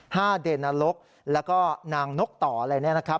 เดนรกแล้วก็นางนกต่ออะไรเนี่ยนะครับ